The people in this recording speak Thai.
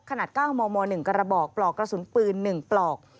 ขนาดก้าวมอหนึ่งกระบอกปลอกกระสุนปืนหนึ่งปลอก